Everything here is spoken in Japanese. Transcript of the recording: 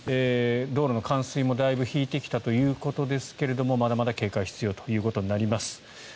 道路の冠水も、だいぶ引いてきたということですがまだまだ警戒が必要ということになります。